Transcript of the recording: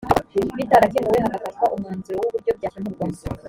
bitarakemuwe hagafatwa umwanzuro w uburyo byakemurwa